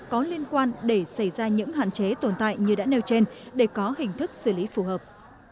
có liên quan để xảy ra những hạn chế tồn tại như đã nêu trên để có hình thức xử lý phù hợp